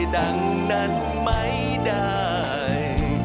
ดังนั้นไม่ได้